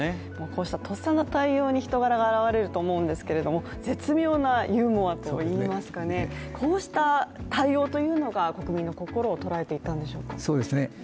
こうしたとっさの対応に人柄が表れると思いますけれども絶妙なユーモアといいますか、こうした対応というのが国民の心をとらえていったんでしょうか。